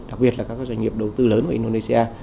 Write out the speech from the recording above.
đặc biệt là các doanh nghiệp đầu tư lớn của indonesia